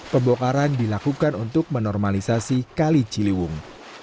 pembongkaran dilakukan untuk menormalisasi kali ciliwung